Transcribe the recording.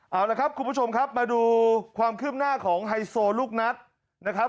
เอาละครับคุณผู้ชมครับมาดูความคืบหน้าของไฮโซลูกนัดนะครับ